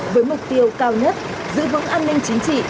với mục tiêu cao nhất giữ vững an ninh chính trị